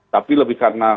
tapi lebih karena